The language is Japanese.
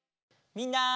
みんな！